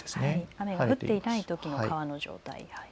雨が降っていないときの状態です。